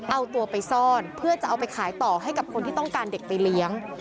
เอาตัวไปซ่อนเพื่อจะเอาไปขายต่อให้กับคนที่ต้องการเด็กไปเลี้ยง